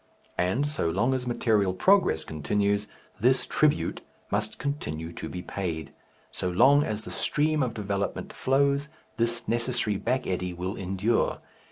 And so long as material progress continues, this tribute must continue to be paid; so long as the stream of development flows, this necessary back eddy will endure.